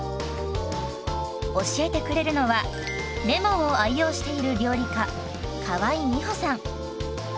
教えてくれるのはレモンを愛用している料理家河井美歩さん。